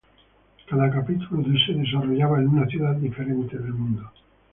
Cada capítulo se desarrollaba en una ciudad diferente del mundo.